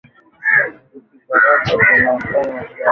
Usi zarau kazi unayo fanya maishani mwako